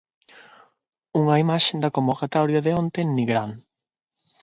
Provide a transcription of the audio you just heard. Unha imaxe da convocatoria de onte en Nigrán.